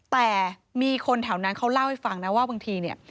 แต่มีคนแถวนั้นเขาเล่าให้ฟังนะว่าบางทีเนี่ย